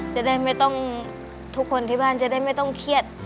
จะได้ไม่ต้องทุกคนที่บ้านจะได้ไม่ต้องเครียด